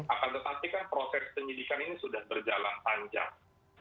akan ditaksikan proses penyelidikan ini sudah berjalan panjang